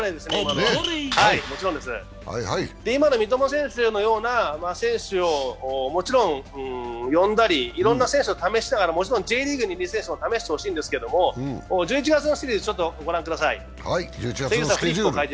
三笘選手のような選手をもちろん呼んだりいろんな選手を試しながら、Ｊリーグにいる選手も試してほしいんですが、１１月の予定を御覧ください。